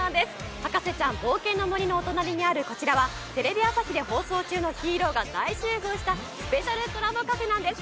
博士ちゃん冒険の森のお隣にあるこちらはテレビ朝日で放送中のヒーローが大集合したスペシャルコラボカフェなんです。